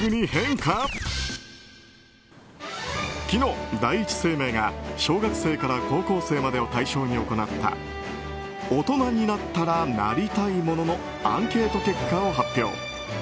昨日、第一生命が小学生から高校生までを対象に行った大人になったらなりたいもののアンケート結果を発表。